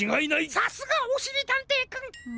さすがおしりたんていくん！